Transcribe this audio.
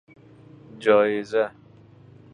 جایزه